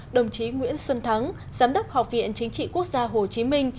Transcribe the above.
đồng chí nguyễn xuân thắng giám đốc học viện chính trị quốc gia hồ chí minh